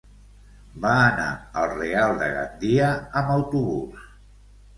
Va anar al Real de Gandia amb autobús.